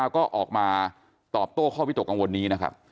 ก็ออกมาตอบโต้ข้อวิตกกังวลนี้นะครับ